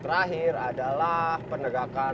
terakhir adalah penegakan